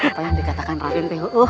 apa yang dikatakan raden pho